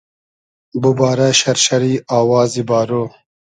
بوبارۂ شئرشئری آوازی بارۉ